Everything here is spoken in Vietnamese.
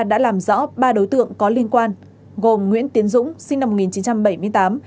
đã làm rõ ba đối tượng có liên quan gồm nguyễn tiến dũng sinh năm một nghìn chín trăm bảy mươi tám